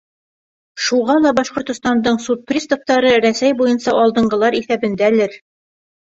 Шуға ла Башҡортостандың суд приставтары Рәсәй буйынса алдынғылар иҫәбендәлер.